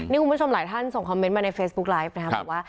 นี่คุณผู้ชมหลายท่านส่งคอมเมนต์มาในเฟซบุ๊คไลฟ์นะครับบอกว่า